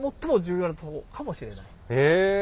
へえ！